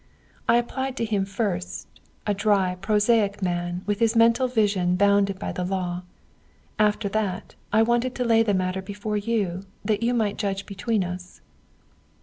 I applied to him first (a dry, prosaic man, with his mental vision bounded by the law); after that, I wanted to lay the matter before you, that you might judge between us."